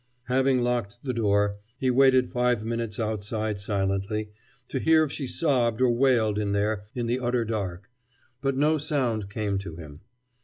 Having locked the door, he waited five minutes outside silently, to hear if she sobbed or wailed in there in the utter dark: but no sound came to him.